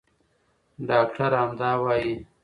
ډاکټره همدا وايي.